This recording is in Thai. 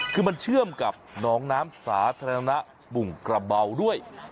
คือมันเชื่อมกับน้องน้ำสาธารณะปุ่งกระเบาด้วย